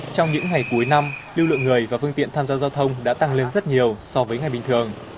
trong những ngày cuối năm lưu lượng người và phương tiện tham gia giao thông đã tăng lên rất nhiều so với ngày bình thường